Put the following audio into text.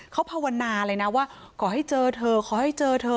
เขาภาวนาเลยนะว่าขอให้เจอเธอขอให้เจอเธอ